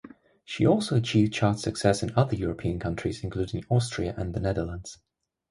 She also achieved chart success in other European countries, including Austria and the Netherlands.